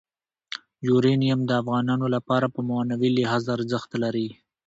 یورانیم د افغانانو لپاره په معنوي لحاظ ارزښت لري.